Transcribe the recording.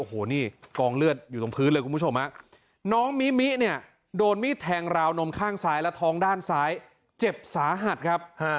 โอ้โหนี่กองเลือดอยู่ตรงพื้นเลยคุณผู้ชมน้องมิมิเนี่ยโดนมีดแทงราวนมข้างซ้ายและท้องด้านซ้ายเจ็บสาหัสครับ